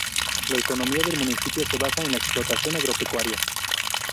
La economía del municipio se basa en la explotación agropecuaria.